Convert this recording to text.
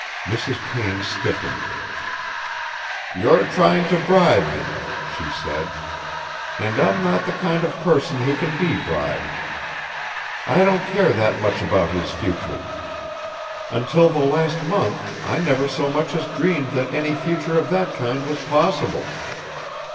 Mrs. Payne stiffened. "You're trying to bribe me," she said, "and I'm not the kind of person who can be bribed. I don't care that much about his future! Until the last month I never so much as dreamed that any future of that kind was possible.